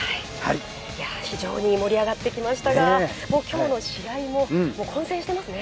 非常に盛り上がってきましたが、きょうの試合も混戦してますね。